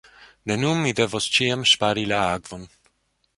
De nun, ni devos ĉiam ŝpari la akvon.